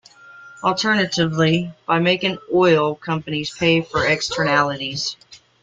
Alternatively, by making oil companies pay for externalities.